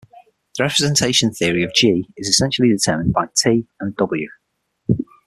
The representation theory of "G" is essentially determined by "T" and "W".